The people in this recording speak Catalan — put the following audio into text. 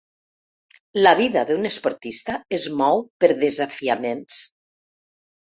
La vida d’un esportista es mou per desafiaments.